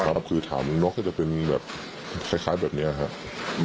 ถ้าถามกันน็อค่ะจะเป็นแบบคล้ายคล้ายแบบเนี้ยครับ